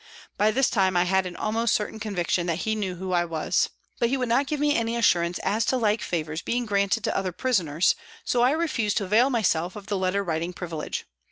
By this time I had an almost certain conviction that he knew who I was. But he would not give me any assurance as to like favours being granted to other prisoners, so I refused to avail myself of the letter writing privilege.